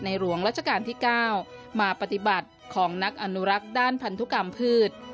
หลวงรัชกาลที่๙มาปฏิบัติของนักอนุรักษ์ด้านพันธุกรรมพืช